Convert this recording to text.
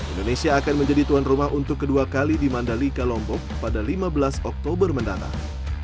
indonesia akan menjadi tuan rumah untuk kedua kali di mandalika lombok pada lima belas oktober mendatang